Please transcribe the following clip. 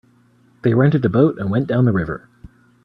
They rented a boat and went down the river.